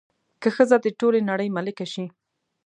که ښځه د ټولې نړۍ ملکه شي